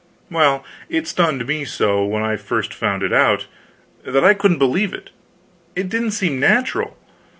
Well, it stunned me so, when I first found it out, that I couldn't believe it; it didn't seem natural.